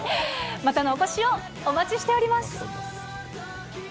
またのお越しをお待ちしております。